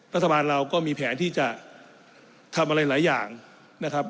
รัฐบาลเราก็มีแผนที่จะทำอะไรหลายอย่างนะครับ